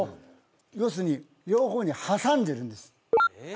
要するに両方に挟んでるんですえっ？